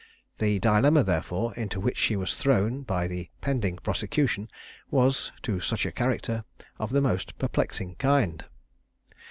The dilemma, therefore, into which she was thrown by the pending prosecution, was, to such a character, of the most perplexing kind.